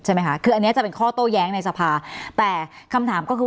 ใช่ไหมคะคืออันนี้จะเป็นข้อโต้แย้งในสภาแต่คำถามก็คือ